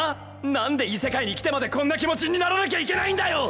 何で異世界に来てまでこんな気持ちにならなきゃいけないんだよ！